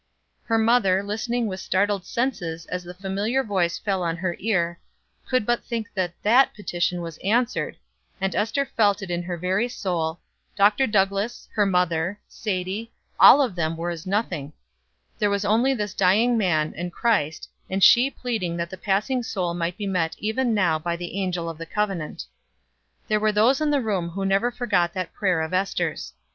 Her mother, listening with startled senses as the familiar voice fell on her ear, could but think that that petition was answered; and Ester felt it in her very soul, Dr. Douglass, her mother, Sadie, all of them were as nothing there was only this dying man and Christ, and she pleading that the passing soul might be met even now by the Angel of the covenant. There were those in the room who never forgot that prayer of Ester's.